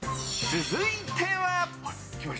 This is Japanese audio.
続いては。